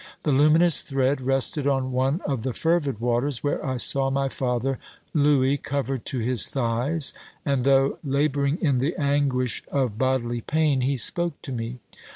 The luminous thread rested on one of the fervid waters, where I saw my father Louis covered to his thighs, and though labouring in the anguish of bodily pain, he spoke to me.